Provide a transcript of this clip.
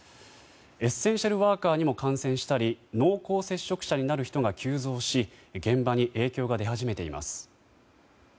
エッセンシャルワーカーにも感染したり濃厚接触者になる人が急増し現場に影響が出始めています。